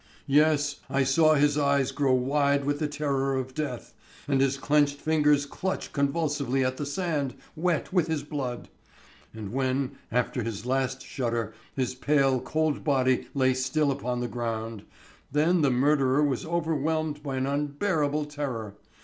"Yes, I saw his eyes grow wide with the terror of death, and his clenched fingers clutch convulsively at the sand, wet with his blood. And when after his last shudder his pale cold body lay still upon the ground, then the murderer was overwhelmed by an unbearable terror.